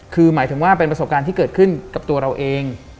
คือหมายถึงว่าเป็นประสบการณ์ที่เกิดขึ้นกับตัวเราเอง